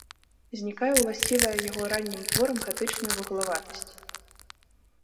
Знікае ўласцівая яго раннім творам гатычная вуглаватасць.